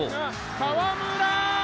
河村！